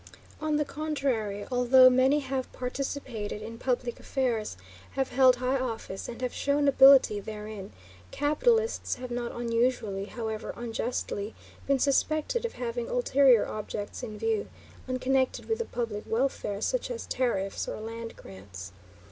On the contrary, although many have participated in public affairs, have held high office, and have shown ability therein, capitalists have not unusually, however unjustly, been suspected of having ulterior objects in view, unconnected with the public welfare, such as tariffs or land grants.